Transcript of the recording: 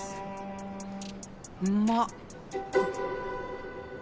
うまっ。